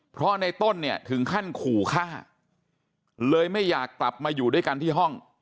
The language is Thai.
เพราะในต้นเนี่ยถึงขั้นขู่ฆ่าเลยไม่อยากกลับมาอยู่ด้วยกันที่ห้อง